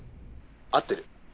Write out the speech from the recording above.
合ってる？